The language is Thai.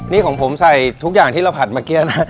นี่ของผมใส่ทุกอย่างที่เราผัดเมื่อกี้นะ